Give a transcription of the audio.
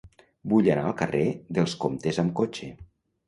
Vull anar al carrer dels Comtes amb cotxe.